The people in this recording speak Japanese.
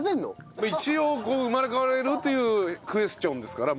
まあ一応生まれ変われるというクエスチョンですから。